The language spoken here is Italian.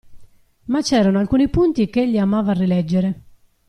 Ma c'erano alcuni punti ch'egli amava rileggere.